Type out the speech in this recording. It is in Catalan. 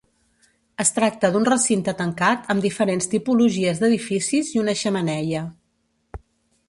Es tracta d'un recinte tancat amb diferents tipologies d'edificis i una xemeneia.